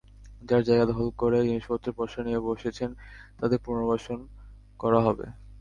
যাঁরা জায়গা দখল করে জিনিসপত্রের পসরা নিয়ে বসেছেন, তাঁদের পুনর্বাসন করা হবে।